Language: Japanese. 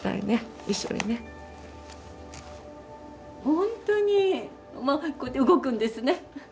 ほんとにこうやって動くんですね。